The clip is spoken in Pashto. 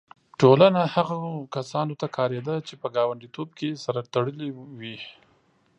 ټولنه هغو کسانو ته کارېده چې په ګانډیتوب کې سره تړلي وي.